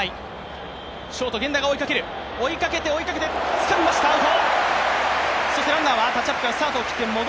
つかみました、アウト。